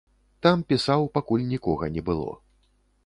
Там пісаў, пакуль нікога не было.